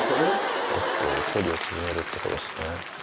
距離を縮めるってことですね。